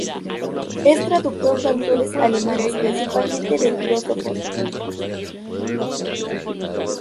Es traductor de autores alemanes, principalmente de filósofos.